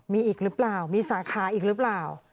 มีอีกหรือเปล่ามีสาขาอีกหรือเปล่า